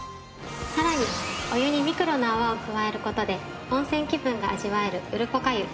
さらにお湯にミクロの泡を加える事で温泉気分が味わえるうるぽか湯。